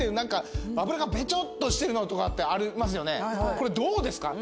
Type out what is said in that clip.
これどうですか？